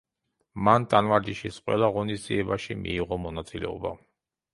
მან ტანვარჯიშის ყველა ღონისძიებაში მიიღო მონაწილეობა.